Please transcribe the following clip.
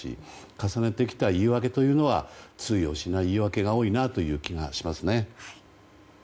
重ねてきた言い訳というのは通用しない言い訳が多いなという気がします。